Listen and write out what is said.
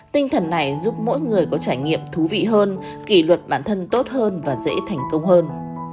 tinh thần này giúp mỗi người có trải nghiệm thú vị hơn kỷ luật bản thân tốt hơn và dễ thành công hơn